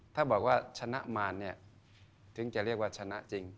ถ้าบอกว่าชนะมารเนี่ยถึงจะเรียกว่าชนะจริง